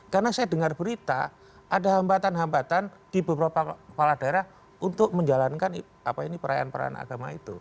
karena saya dengar berita ada hambatan hambatan di beberapa kepala daerah untuk menjalankan perayaan perayaan agama itu